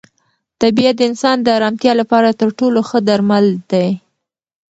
طبیعت د انسان د ارامتیا لپاره تر ټولو ښه درمل دی.